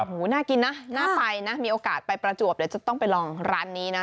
น่ากินนะน่าไปนะมีโอกาสไปประจวบเดี๋ยวจะต้องไปลองร้านนี้นะ